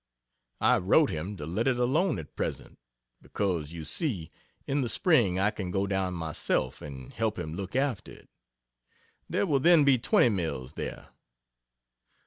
I wrote him to let it alone at present because, you see, in the Spring I can go down myself and help him look after it. There will then be twenty mills there.